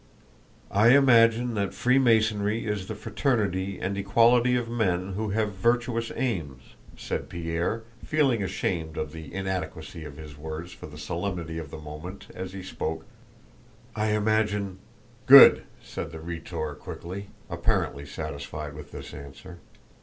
"I imagine that Freemasonry is the fraternity and equality of men who have virtuous aims," said Pierre, feeling ashamed of the inadequacy of his words for the solemnity of the moment, as he spoke. "I imagine..." "Good!" said the Rhetor quickly, apparently satisfied with this answer.